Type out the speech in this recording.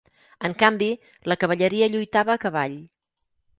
En canvi, la cavalleria lluitava a cavall.